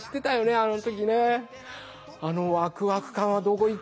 あの時ね。